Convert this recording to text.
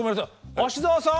芦澤さん？